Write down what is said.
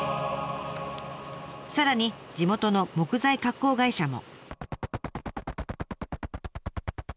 さらに地元の木材加工会社も。